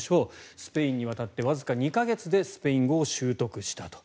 スペインに渡ってわずか２か月でスペイン語を習得したと。